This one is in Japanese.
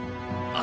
あ！